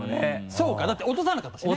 そうかだって落とさなかったしね。